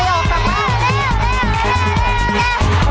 เร็วเร็ว